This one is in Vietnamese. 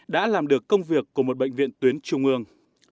đã làm được công việc của một bệnh viện tuyến trung ương